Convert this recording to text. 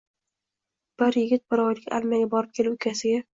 Bir yigit bir oylik armiyaga borib kelib ukasiga